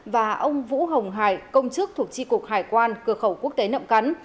và ông vũ hồng hải công chức thuộc tri cục hải quan cửa khẩu quốc tế nậm cắn